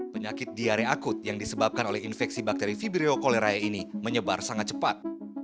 penyakit diare akut yang disebabkan oleh infeksi bakteri fibrio cholerae ini menyebar sangat cepat